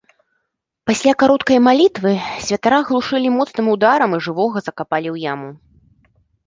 Пасля кароткай малітвы святара аглушылі моцным ударам і жывога закапалі ў яму.